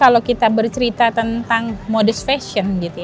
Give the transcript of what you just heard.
kalau kita bercerita tentang modus fashion